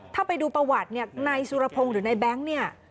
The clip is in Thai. ถ้าไปดูประวัติในสุรพงศ์หรือในแบงค์